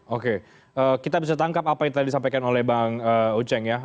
oke kita bisa tangkap apa yang tadi disampaikan oleh bang uceng ya